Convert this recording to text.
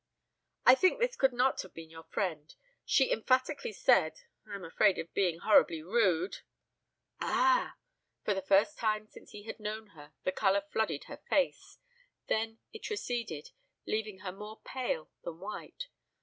"I think this could not have been your friend. She emphatically said I am afraid of being horribly rude " "Ah!" For the first time since he had known her the color flooded her face; then it receded, leaving her more pale than white.